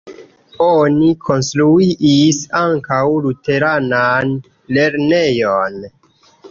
Oni konstruis ankaŭ luteranan lernejon.